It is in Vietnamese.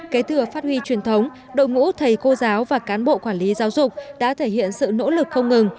kể từ phát huy truyền thống đội ngũ thầy cô giáo và cán bộ quản lý giáo dục đã thể hiện sự nỗ lực không ngừng